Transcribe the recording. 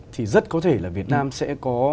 thì rất có thể là việt nam sẽ có